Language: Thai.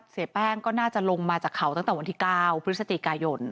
เสียแป้งก็น่าจะลงมาจากเขาตั้งแต่วันที่๙พฤศจิกายน